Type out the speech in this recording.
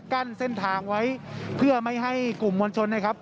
กั้นเส้นทางไว้เพื่อไม่ให้กลุ่มมลชน